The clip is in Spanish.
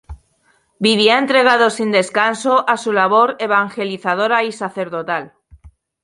Vivía entregado sin descanso a su labor evangelizadora y sacerdotal.